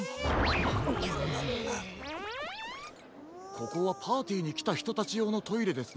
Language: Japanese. ここはパーティーにきたひとたちようのトイレですね。